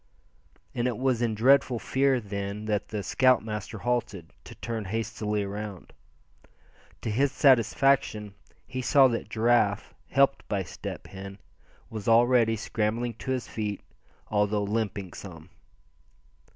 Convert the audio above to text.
And it was in dreadful fear, then, that the scoutmaster halted, to turn hastily around. To his satisfaction he saw that Giraffe, helped by Step Hen, was already scrambling to his feet, although limping some.